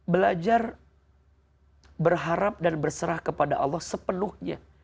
belajar berharap dan berserah kepada allah sepenuhnya